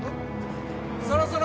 そろそろ。